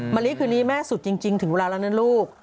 มะลิคืนนี้แม่สุดจริงถึงเวลาแล้วนะลูก